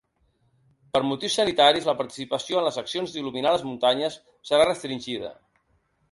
Per motius sanitaris, la participació en les accions d’il·luminar les muntanyes serà restringida.